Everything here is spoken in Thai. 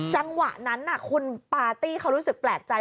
จังหวะนั้นคุณปาร์ตี้เขารู้สึกแปลกใจ